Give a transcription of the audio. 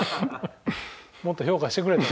もっと評価してくれと。